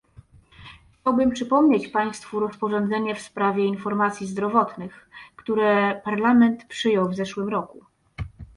Chciałbym przypomnieć państwu rozporządzenie w sprawie informacji zdrowotnych, które Parlament przyjął w zeszłym roku